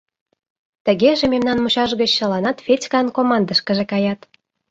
— Тыгеже мемнан мучаш гыч чыланат Федькан командышкыже каят.